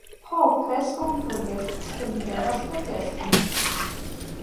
Ho, preskaŭ mi forgesis ke mi devas rekreski!